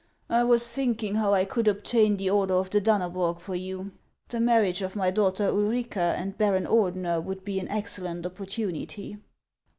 " I was thinking how I could obtain the Order of the Dannebrog for you. The marriage of my daughter Ulrica and Baron Ordener would be an excellent opportunity."